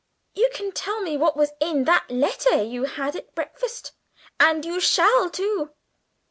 "You can tell me what was in that letter you had at breakfast and you shall too!"